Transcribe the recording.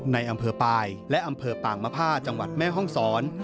ในอำเภอปลายและอำเภอป่างมภาจังหวัดแม่ห้องศร